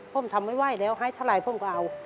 ผมทำไม่ไหวแล้วให้เท่าไหร่ผมก็เอา